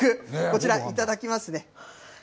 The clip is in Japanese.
早速、こちら頂きますね。